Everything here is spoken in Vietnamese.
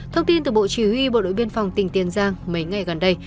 thông tin từ bộ chỉ huy bộ đội biên phòng tỉnh tiền giang mấy ngày gần đây